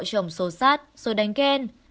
chồng xô xát xô đánh khen